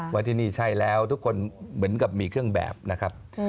ว่าที่นี่ใช่แล้วทุกคนเหมือนกับมีเครื่องแบบนะครับ